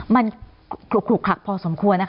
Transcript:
มันขลุกขักพอสมควร